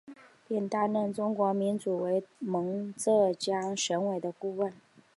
并担任中国民主同盟浙江省委的顾问。